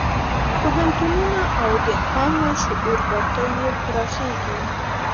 پوهنتونونه او د عامه شعور بټۍ یې پراخېږي.